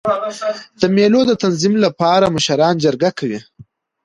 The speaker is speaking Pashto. د مېلو د تنظیم له پاره مشران جرګه کوي.